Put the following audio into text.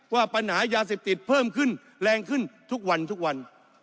ว่าปัญหายาเสพติดเพิ่มขึ้นแรงขึ้นทุกวันทุกวัน